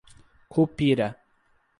Cupira